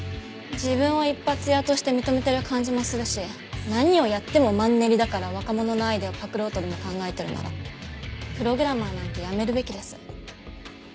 自分を一発屋として認めてる感じもするし何をやってもマンネリだから若者のアイデアをパクろうとでも考えてるならプログラマーなんてやめるべきです。